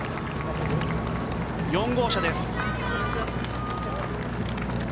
４号車です。